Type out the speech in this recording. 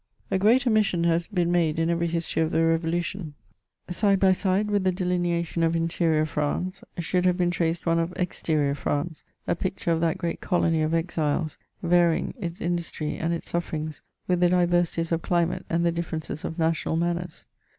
A great omission has been made in ever)' history of the Re volution ; side by side with the delineation of interior France, should have been traced one of exterior France, a picture of that great colony of exiles, varying its industry and its suffer ings with the diversities of climate and the differences of na tional manners.